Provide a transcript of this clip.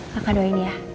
kakak doain ya